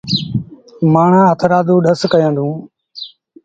مآڻهآݩ هٿرآدو ڏس ڪيآݩدوݩ۔